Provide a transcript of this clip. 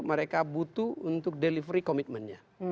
mereka butuh untuk delivery commitmentnya